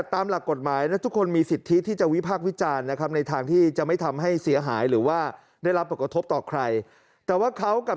ตามหลักกฎหมายนะทุกคนมีสิทธิที่จะวิพากษ์วิจารณ์นะครับ